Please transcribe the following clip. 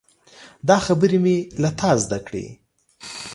دا خبرې مې له تا زده کړي.